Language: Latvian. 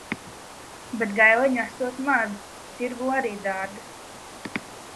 Bet gaileņu esot maz. Tirgū arī dārgas.